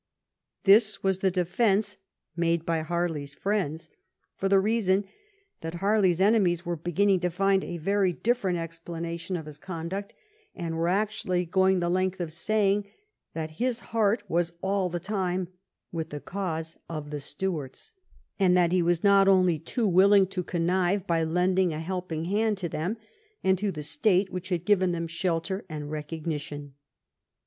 This was the defence made by Harley's friends, for the reason that Harley's enemies were beginning to find a very different explanation of his conduct, and were actually going the length of saying that his heart was all the time with the cause of the Stuarts, and that he was only too willing to connive at lending a helping hand to them and to the state which had given them shelter and recognition.